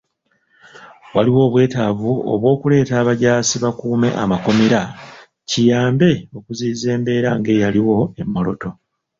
Waliwo obwetaavu bw'okuleeta abajaasi bakuume amakomera, kiyambe okuziyiza embeera ng'eyaliwo e Moroto.